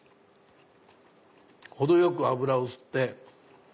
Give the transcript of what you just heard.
程よく油を吸って。